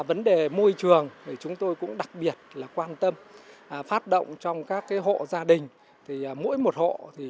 vấn đề môi trường chúng tôi cũng đặc biệt quan tâm phát động trong các hộ gia đình